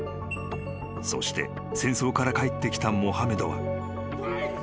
［そして戦争から帰ってきたモハメドは］